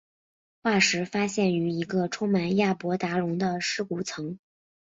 化石发现于一个充满亚伯达龙的尸骨层。